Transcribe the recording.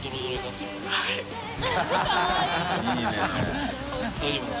いいね。